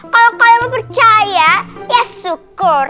kalau kalian mau percaya ya syukur